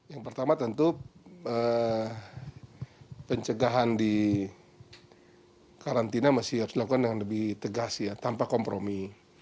yang pertama tentu pencegahan di karantina masih harus dilakukan dengan lebih tegas ya tanpa kompromi